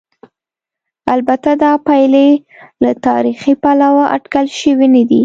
البته دا پایلې له تاریخي پلوه اټکل شوې نه دي.